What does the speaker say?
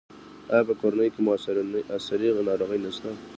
ایا په کورنۍ کې مو ارثي ناروغي شته؟